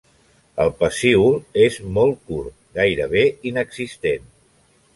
El pecíol és molt curt, gairebé inexistent.